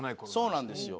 そうなんですよ。